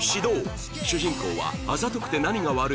主人公は